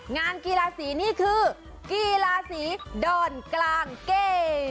งานกีฬาสีนี่คือกีฬาสีดอนกลางเก